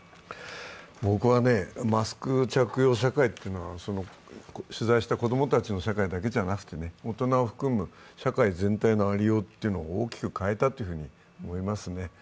僕はマスク着用社会というのは、取材した子供たちの社会だけではなくて、大人を含む社会全体のありようというのを大きく変えたというふうに思いますね。